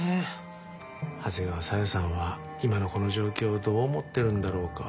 長谷川小夜さんは今のこの状況をどう思ってるんだろうか。